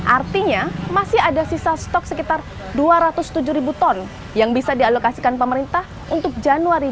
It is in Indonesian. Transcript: artinya masih ada sisa stok sekitar dua ratus tujuh ribu ton yang bisa dialokasikan pemerintah untuk januari dua ribu dua puluh